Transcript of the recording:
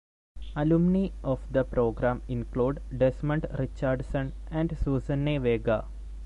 Alumni of the program include Desmond Richardson and Suzanne Vega.